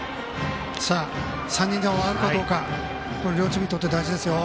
３人で終わるかどうか両チームにとって大事ですよ。